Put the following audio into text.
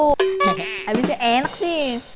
nih abisnya enak sih